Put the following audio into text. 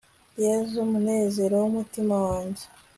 yezu munezero w'umutima wanjye